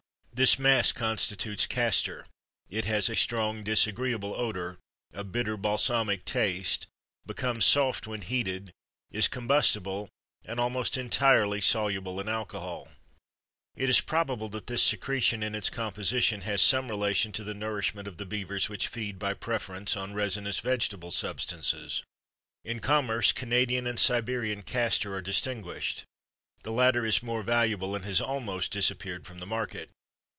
This mass constitutes castor; it has a strong, disagreeable odor, a bitter, balsamic taste, becomes soft when heated, is combustible, and almost entirely soluble in alcohol. It is probable that this secretion in its composition has some relation to the nourishment of the beavers which feed by preference on resinous vegetable substances. In commerce Canadian and Siberian castor are distinguished; the latter is more valuable and has almost disappeared from the market.